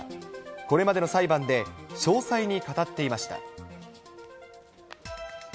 これまでの裁判で詳細に語っていました。